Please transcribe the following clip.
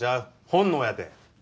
本能やて。